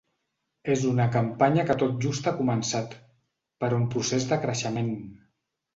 És una campanya que tot just ha començat, però en procés de creixement.